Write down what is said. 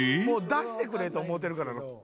「もう出してくれと思うてるからな」